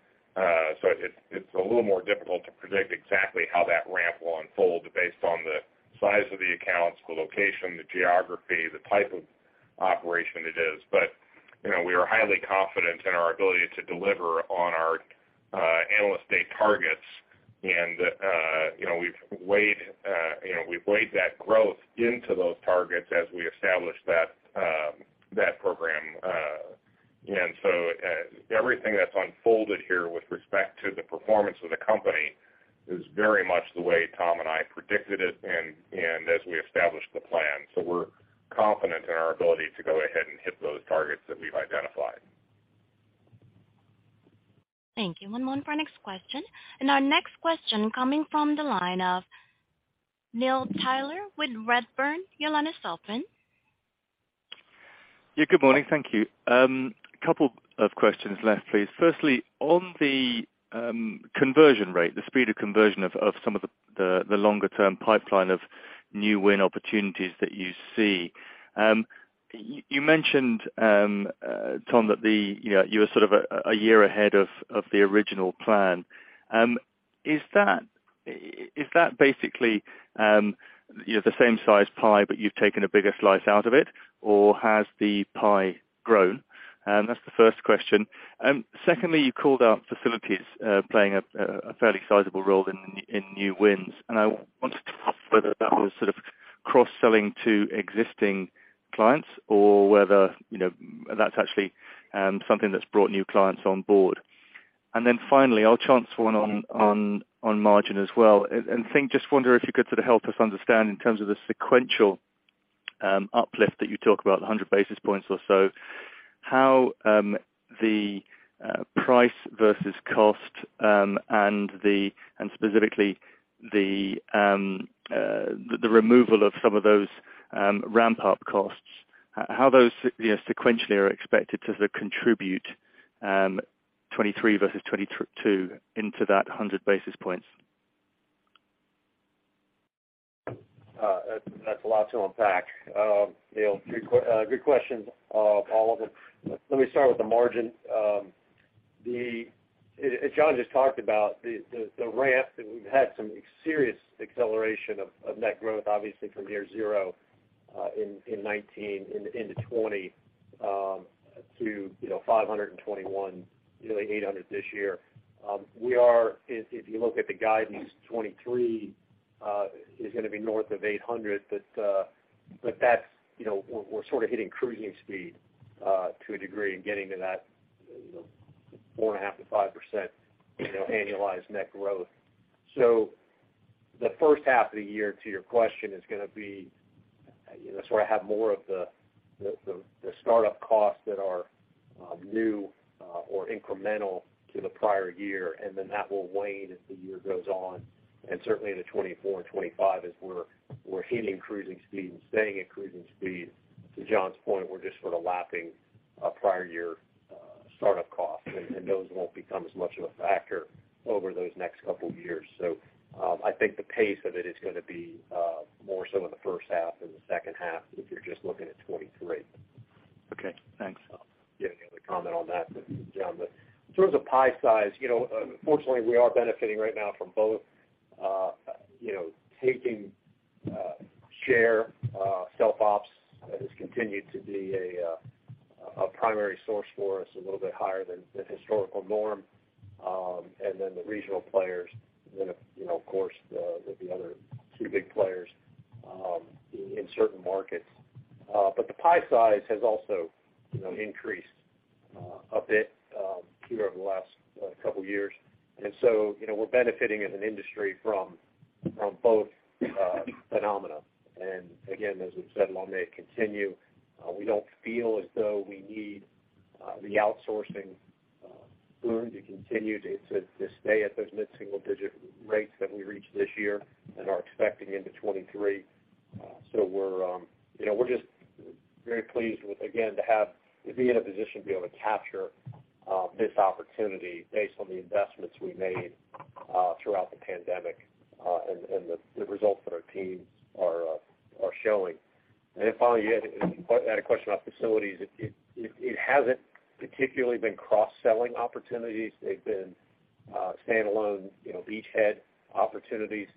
It's a little more difficult to predict exactly how that ramp will unfold based on the size of the accounts, the location, the geography, the type of operation it is. You know, we are highly confident in our ability to deliver on our Analyst Day targets. You know, we've weighed that growth into those targets as we established that program. Everything that's unfolded here with respect to the performance of the company is very much the way Tom and I predicted it and as we established the plan. We're confident in our ability to go ahead and hit those targets that we've identified. Thank you. One moment for our next question. Our next question coming from the line of Neil Tyler with Redburn. Your line is open. Yeah, good morning. Thank you. A couple of questions left, please. Firstly, on the conversion rate, the speed of conversion of some of the longer term pipeline of new win opportunities that you see, you mentioned, Tom, that the you know you were sort of a year ahead of the original plan. Is that basically you know the same size pie, but you've taken a bigger slice out of it? Or has the pie grown? That's the first question. Secondly, you called out facilities playing a fairly sizable role in new wins. I wanted to ask whether that was sort of cross-selling to existing clients or whether you know that's actually something that's brought new clients on board. I'll ask one on margin as well. Just wonder if you could sort of help us understand in terms of the sequential uplift that you talk about, the 100 basis points or so, how the price versus cost and specifically the removal of some of those ramp-up costs, how those you know sequentially are expected to sort of contribute, 2023 versus 2022 into that 100 basis points. That's a lot to unpack, Neil. Good questions, all of it. Let me start with the margin. As John just talked about, the ramp that we've had some serious acceleration of net growth, obviously from near zero in 2019, into 2020, to, you know, $521, nearly $800 this year. If you look at the guidance, 2023 is gonna be north of $800. But that's, you know, we're sort of hitting cruising speed to a degree and getting to that, you know, 4.5%-5% annualized net growth. The first half of the year, to your question, is gonna be, you know, sort of have more of the startup costs that are new or incremental to the prior year, and then that will wane as the year goes on. Certainly in 2024 and 2025 as we're hitting cruising speed and staying at cruising speed. To John's point, we're just sort of lapping prior year startup costs, and those won't become as much of a factor over those next couple years. I think the pace of it is gonna be more so in the first half than the second half, if you're just looking at 2023. Okay, thanks. Yeah, the other comment on that, John. In terms of pie size, you know, fortunately, we are benefiting right now from both, you know, taking share. Self ops has continued to be a primary source for us, a little bit higher than historical norm. Then the regional players, you know, of course the other two big players in certain markets. But the pie size has also, you know, increased a bit here over the last couple years. So, you know, we're benefiting as an industry from both phenomena. Again, as we've said, while they continue, we don't feel as though we need the outsourcing boom to continue to stay at those mid-single digit rates that we reached this year and are expecting into 2023. You know, we're just very pleased, again, to be in a position to be able to capture this opportunity based on the investments we made throughout the pandemic, and the results that our teams are showing. Finally, you had a question about facilities. It hasn't particularly been cross-selling opportunities. They've been standalone, you know, beachhead opportunities.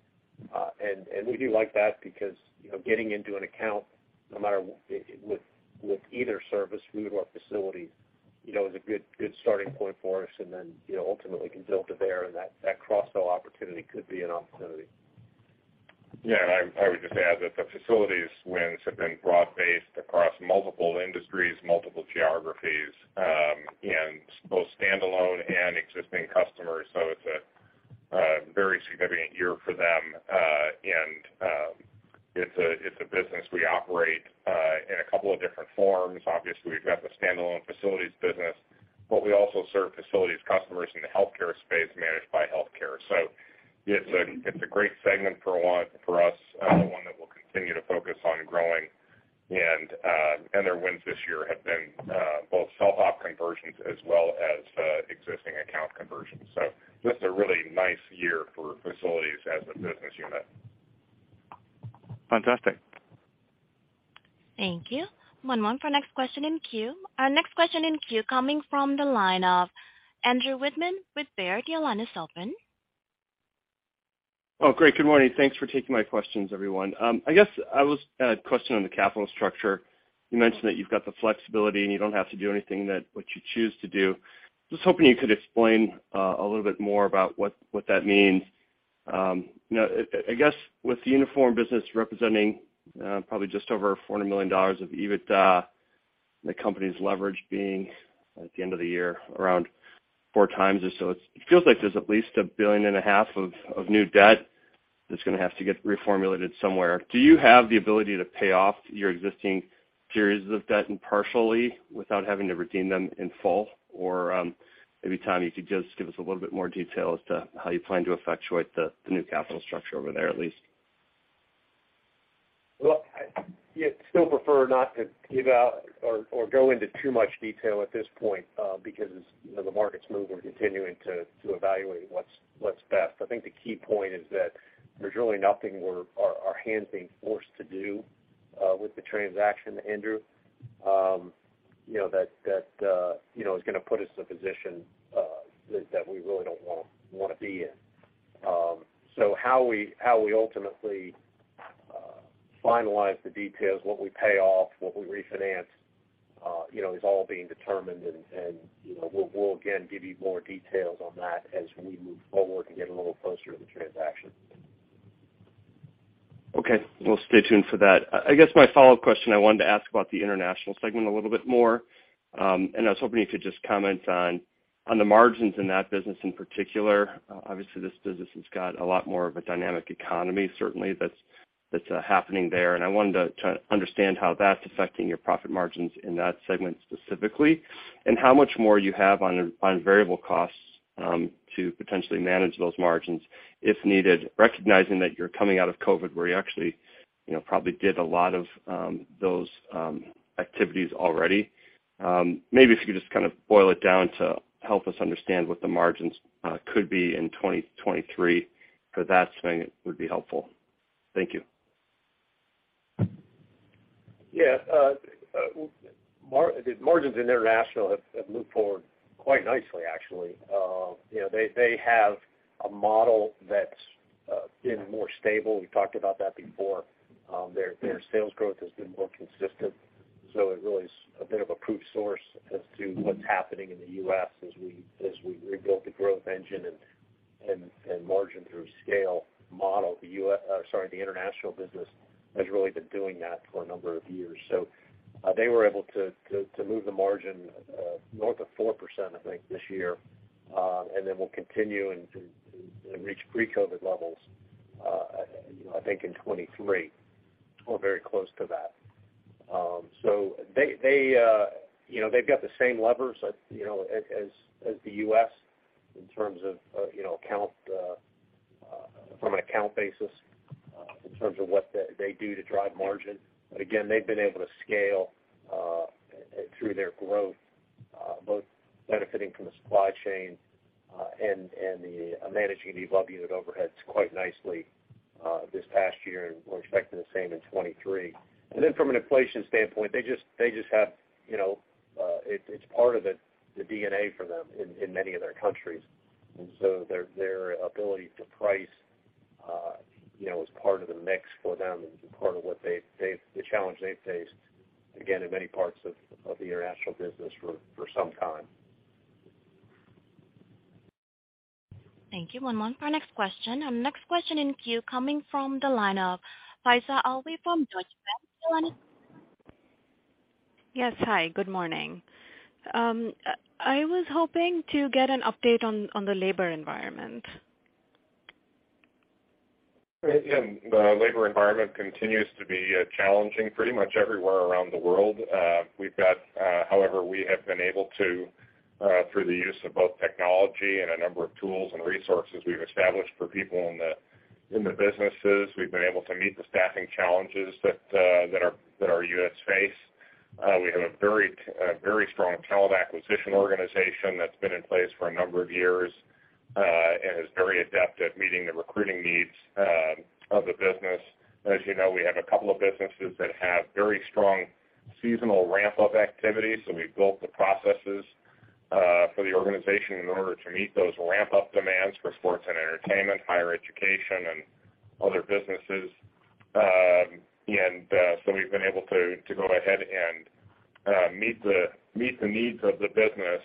We do like that because, you know, getting into an account, no matter with either service, food or facilities, you know, is a good starting point for us. You know, ultimately can build to there. That cross-sell opportunity could be an opportunity. I would just add that the facilities wins have been broad-based across multiple industries, multiple geographies, and both standalone and existing customers. It's a very significant year for them. It's a business we operate in a couple of different forms. Obviously, we've got the standalone facilities business. We also serve facilities customers in the healthcare space managed by Healthcare. It's a great segment for us, one that we'll continue to focus on growing. Their wins this year have been both self-op conversions as well as existing account conversions. Just a really nice year for facilities as a business unit. Fantastic. Thank you. One moment for next question in queue. Our next question in queue coming from the line of Andrew Wittmann with Baird. Your line is open. Oh, great. Good morning. Thanks for taking my questions, everyone. I guess I was questioning the capital structure. You mentioned that you've got the flexibility, and you don't have to do anything that what you choose to do. Just hoping you could explain a little bit more about what that means. You know, I guess with the uniform business representing probably just over $400 million of EBITDA, the company's leverage being, at the end of the year, around 4x or so. It feels like there's at least $1.5 billion of new debt that's gonna have to get reformulated somewhere. Do you have the ability to pay off your existing tiers of debt and partially without having to redeem them in full? Maybe, Tom, you could just give us a little bit more detail as to how you plan to effectuate the new capital structure over there, at least. Well, yeah, I still prefer not to give out or go into too much detail at this point, because as you know, the market has moved. We're continuing to evaluate what's best. I think the key point is that there's really nothing where our hands are being forced to do with the transaction, Andrew. You know, that is gonna put us in a position that we really don't wanna be in. How we ultimately finalize the details, what we pay off, what we refinance, you know, is all being determined. You know, we'll again give you more details on that as we move forward and get a little closer to the transaction. Okay. We'll stay tuned for that. I guess my follow-up question. I wanted to ask about the international segment a little bit more. I was hoping you could just comment on the margins in that business in particular. Obviously this business has got a lot more of a dynamic economy certainly that's happening there. I wanted to understand how that's affecting your profit margins in that segment specifically. How much more you have on variable costs to potentially manage those margins if needed, recognizing that you're coming out of COVID, where you actually, you know, probably did a lot of those activities already. Maybe if you could just kind of boil it down to help us understand what the margins could be in 2023 for that segment would be helpful. Thank you. Yeah. The margins in international have moved forward quite nicely actually. You know, they have a model that's been more stable. We talked about that before. Their sales growth has been more consistent, so it really is a bit of a proof source as to what's happening in the U.S. as we rebuild the growth engine and margin through scale model. The U.S., or sorry, the international business has really been doing that for a number of years. They were able to move the margin north of 4%, I think, this year. We'll continue to reach pre-COVID levels, you know, I think in 2023, or very close to that. They've got the same levers, you know, as the U.S. in terms of, you know, from an account basis, in terms of what they do to drive margin. Again, they've been able to scale through their growth, both benefiting from the supply chain and managing the above unit overheads quite nicely, this past year, and we're expecting the same in 2023. From an inflation standpoint, they just have, you know, it's part of the DNA for them in many of their countries. Their ability to price, you know, is part of the mix for them and part of the challenge they've faced, again, in many parts of the international business for some time. Thank you. One moment for our next question. Our next question in queue coming from the line of Faiza Alwy from Deutsche Bank. Your line is- Yes. Hi, good morning. I was hoping to get an update on the labor environment. Yeah. The labor environment continues to be challenging pretty much everywhere around the world. We've got, however, we have been able to through the use of both technology and a number of tools and resources we've established for people in the businesses, we've been able to meet the staffing challenges that our U.S. faces. We have a very strong talent acquisition organization that's been in place for a number of years, and is very adept at meeting the recruiting needs of the business. As you know, we have a couple of businesses that have very strong seasonal ramp-up activity, so we've built the processes for the organization in order to meet those ramp-up demands for sports and entertainment, higher education and other businesses. We've been able to go ahead and meet the needs of the business.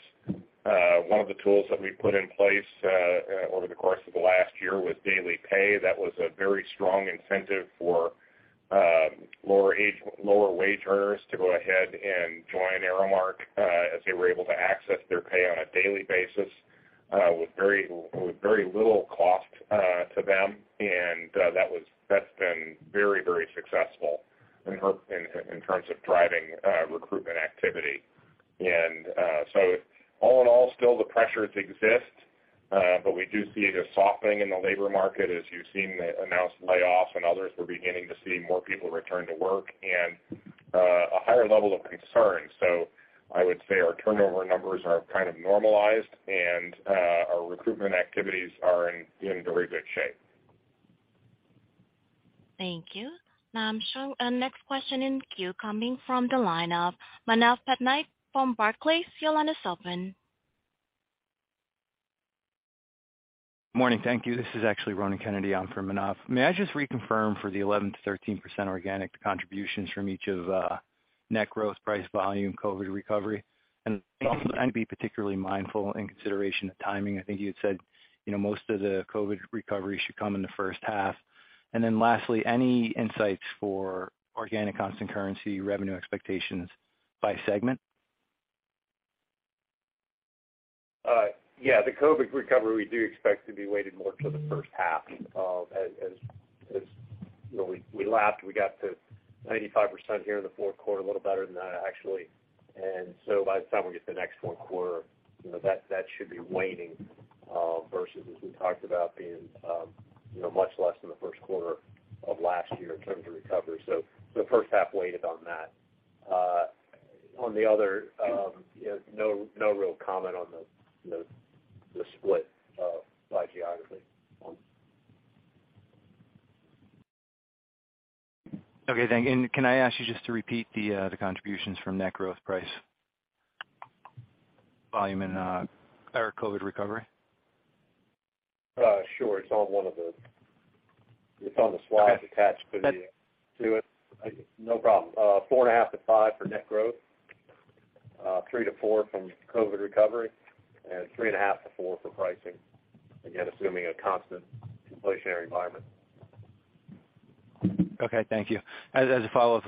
One of the tools that we put in place over the course of the last year was DailyPay. That was a very strong incentive for lower wage earners to go ahead and join Aramark as they were able to access their pay on a daily basis with very little cost to them. That's been very successful in terms of driving recruitment activity. All in all, still the pressures exist, but we do see a softening in the labor market. As you've seen the announced layoffs and others, we're beginning to see more people return to work and a higher level of concern. I would say our turnover numbers are kind of normalized and our recruitment activities are in very good shape. Thank you. Now I'm showing our next question in queue coming from the line of Manav Patnaik from Barclays. Your line is open. Morning. Thank you. This is actually Ronan Kennedy on for Manav. May I just reconfirm for the 11%-13% organic contributions from each of net growth, price volume, COVID recovery? Also trying to be particularly mindful in consideration of timing. I think you had said, you know, most of the COVID recovery should come in the first half. Then lastly, any insights for organic constant currency revenue expectations by segment? Yeah. The COVID recovery, we do expect to be weighted more to the first half, as you know, we lapped, we got to 95% here in the fourth quarter, a little better than that actually. By the time we get to the next one quarter, you know, that should be waning versus as we talked about being much less than the first quarter of last year in terms of recovery. The first half weighted on that. On the other, you know, no real comment on the, you know. Okay, thank you. Can I ask you just to repeat the contributions from net growth price volume and, or COVID recovery? Sure. It's on the slide that's attached to the That's- No problem. 4.5%-5% for net growth, 3%-4% from COVID recovery, and 3.5%-4% for pricing, again, assuming a constant inflationary environment. Okay, thank you. As a follow-up.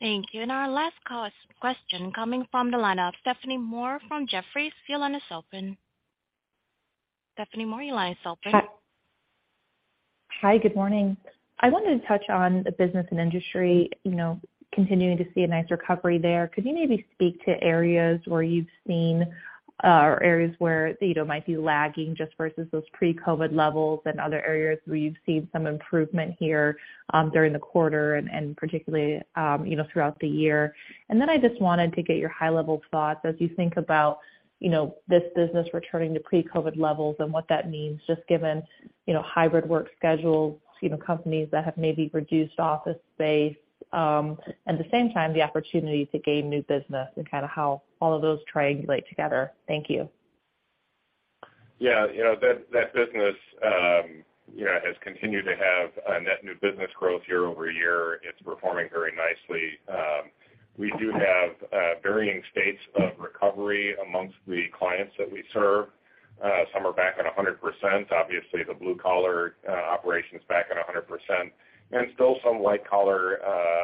Thank you. Our last question coming from the line of Stephanie Moore from Jefferies. Your line is open. Stephanie Moore, your line is open. Hi. Hi, good morning. I wanted to touch on the business and industry, you know, continuing to see a nice recovery there. Could you maybe speak to areas where you've seen, or areas where, you know, might be lagging just versus those pre-COVID levels and other areas where you've seen some improvement here, during the quarter and particularly, you know, throughout the year? I just wanted to get your high-level thoughts as you think about, you know, this business returning to pre-COVID levels and what that means, just given, you know, hybrid work schedules, you know, companies that have maybe reduced office space, at the same time, the opportunity to gain new business and kinda how all of those triangulate together. Thank you. Yeah. You know, that business has continued to have a net new business growth year-over-year. It's performing very nicely. We do have varying states of recovery among the clients that we serve. Some are back at 100%. Obviously, the blue collar operations back at 100%. Still some white collar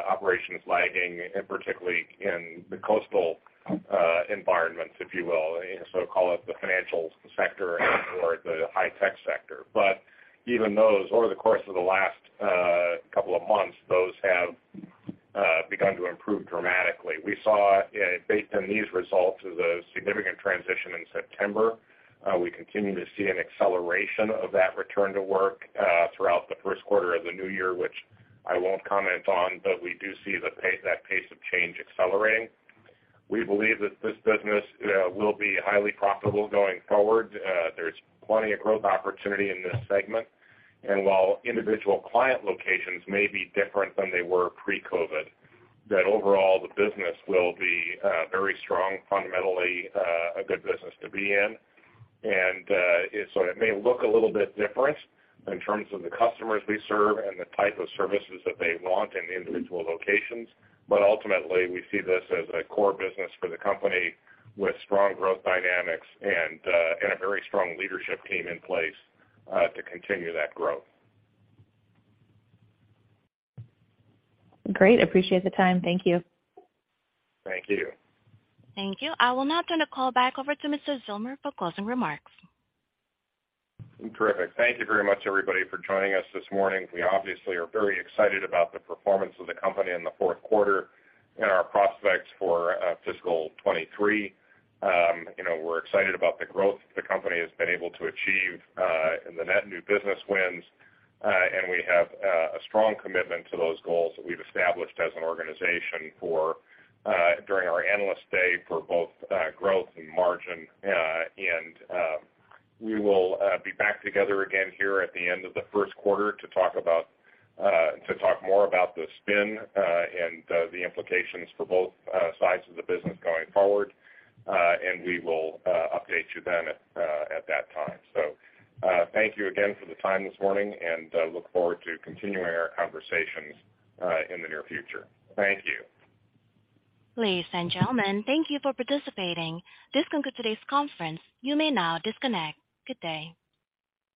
operations lagging, and particularly in the coastal environments, if you will, so call it the financial sector or the high-tech sector. Even those, over the course of the last couple of months, those have begun to improve dramatically. We saw, based on these results, is a significant transition in September. We continue to see an acceleration of that return to work throughout the first quarter of the new year, which I won't comment on, but we do see that pace of change accelerating. We believe that this business will be highly profitable going forward. There's plenty of growth opportunity in this segment. While individual client locations may be different than they were pre-COVID, that overall the business will be very strong, fundamentally, a good business to be in. It may look a little bit different in terms of the customers we serve and the type of services that they want in individual locations, but ultimately, we see this as a core business for the company with strong growth dynamics and a very strong leadership team in place to continue that growth. Great. Appreciate the time. Thank you. Thank you. Thank you. I will now turn the call back over to Mr. Zillmer for closing remarks. Terrific. Thank you very much, everybody, for joining us this morning. We obviously are very excited about the performance of the company in the fourth quarter and our prospects for fiscal 2023. You know, we're excited about the growth the company has been able to achieve in the net new business wins. We have a strong commitment to those goals that we've established as an organization during our Analyst Day for both growth and margin. We will be back together again here at the end of the first quarter to talk more about the spin and the implications for both sides of the business going forward, and we will update you then at that time. Thank you again for the time this morning, and look forward to continuing our conversations in the near future. Thank you. Ladies and gentlemen, thank you for participating. This concludes today's conference. You may now disconnect. Good day.